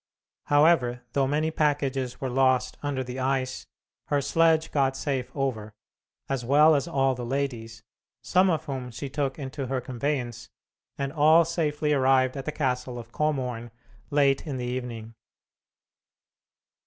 However, though many packages were lost under the ice, her sledge got safe over, as well as all the ladies, some of whom she took into her conveyance, and all safely arrived at the castle of Komorn late in the evening.